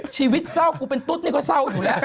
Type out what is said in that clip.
ชีวิตเศร้ากูเป็นตุ๊ดนี่ก็เศร้าอยู่แล้ว